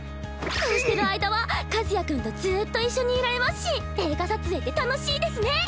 こうしてる間は和也君とずっと一緒にいられますし映画撮影って楽しいですね。